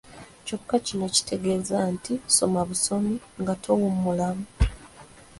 Kyokka kino tekitegeeza nti soma busomi nga towummulamu.